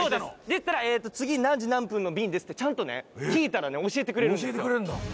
でしたら次何時何分の便ですってちゃんとね聞いたらね教えてくれるんですよ。